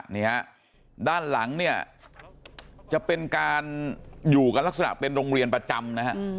นี่ฮะด้านหลังเนี่ยจะเป็นการอยู่กันลักษณะเป็นโรงเรียนประจำนะฮะ